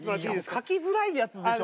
書きづらいやつでしょ